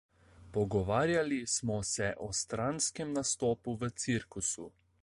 Pogovarjali smo se o stranskem nastopu v cirkusu.